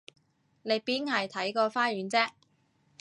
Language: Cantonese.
你邊係睇個花園啫？